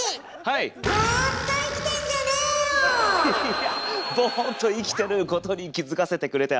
いやボーっと生きてることに気付かせてくれてありがとう。